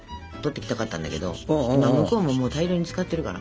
今向こうも大量に使ってるから。